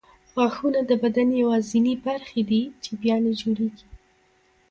غاښونه د بدن یوازیني برخې دي چې بیا نه جوړېږي.